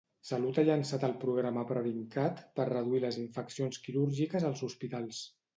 Salut ha llançat el programa PREVINQ-CAT per reduir les infeccions quirúrgiques als hospitals.